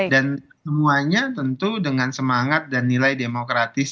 dan semuanya tentu dengan semangat dan nilai demokratis